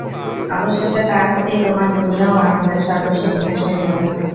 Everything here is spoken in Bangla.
অবশেষে তার হাতেই তোমার দুনিয়া ও আখিরাত সর্বস্ব বিনাশ হয়ে যাবে।